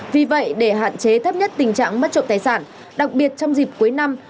vì vậy để hạn chế thấp nhất tình trạng mất trộm tài sản đặc biệt trong dịp cuối năm